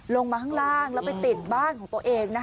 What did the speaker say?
ลงมาข้างล่างแล้วไปติดบ้านของตัวเอง